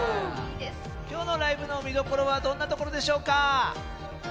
今日のライブの見どころはどんなところでしょうか？